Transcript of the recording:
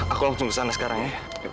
aku langsung kesana sekarang ya